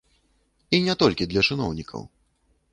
І не толькі для чыноўнікаў.